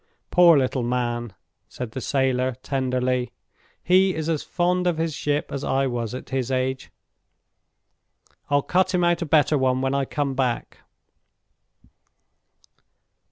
"Poor little man!" said the sailor, tenderly. "He is as fond of his ship as I was at his age. I'll cut him out a better one when I come back.